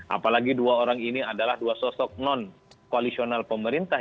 apalagi dua orang ini adalah dua sosok non koalisional pemerintah